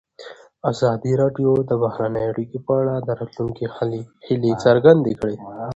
ازادي راډیو د بهرنۍ اړیکې په اړه د راتلونکي هیلې څرګندې کړې.